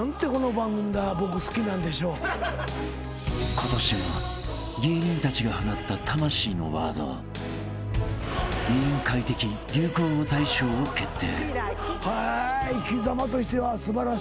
［今年も芸人たちが放った魂のワード『委員会』的流行語大賞を決定］